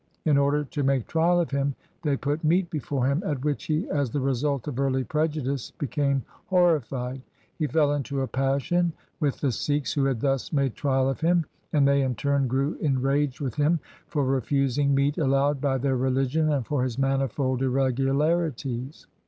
In order to make trial of him, they put meat before him, at which he, as the result of early prejudice, became horrified. He fell into a passion with the Sikhs who had thus made trial of him, and they in turn grew enraged with him for refusing meat allowed by their religion and for his manifold irregu larities.